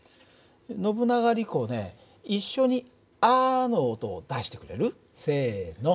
ノブナガリコね一緒に「あ」の音を出してくれる？せの。